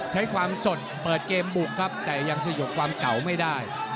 ใช้ความสดเปิดเกมบุกครับแต่ยังสยบความเก่าไม่ได้